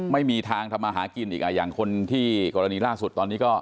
ไม่มีทางทำมาหากินอีกอย่างคนที่กรณีล่าสุดตอนนี้ก็